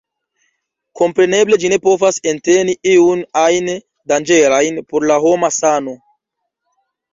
Kompreneble ĝi ne povas enteni iun ajn danĝerajn por la homa sano.